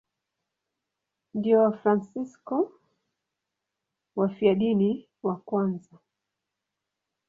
Ndio Wafransisko wafiadini wa kwanza.